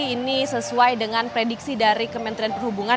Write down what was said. ini sesuai dengan prediksi dari kementerian perhubungan